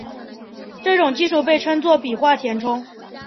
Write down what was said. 这种技术被称作笔画填充。